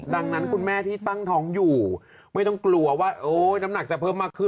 ดังนั้นคุณแม่ที่ตั้งท้องอยู่ไม่ต้องกลัวว่าน้ำหนักจะเพิ่มมากขึ้น